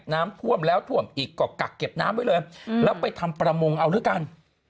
น้ำท่วมแล้วท่วมอีกก็กักเก็บน้ำไว้เลยแล้วไปทำประมงเอาด้วยกัน